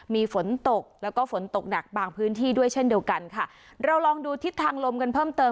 มีฝนตกแล้วก็ฝนตกหนักบางพื้นที่ด้วยเช่นเดียวกันค่ะเราลองดูทิศทางลมกันเพิ่มเติม